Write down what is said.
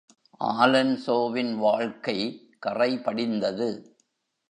ஆலன்சோவின் வாழ்க்கை கறைபடிந்தது.